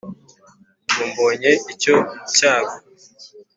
Ubwo mbonye icyo cyago